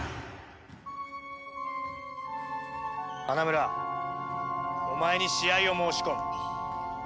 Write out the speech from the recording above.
花村お前に試合を申し込む。